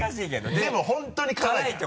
でも本当に辛いから。